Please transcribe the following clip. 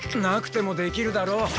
なくてもできるだろ。